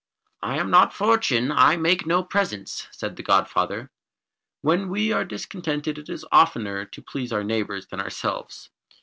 "I am not Fortune I make no presents," said the godfather. When we are discontented it is oftener to please our neighbours than ourselves.